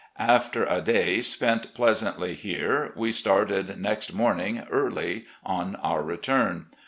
"After a day spent pleasantly here, we started next morning early on our return.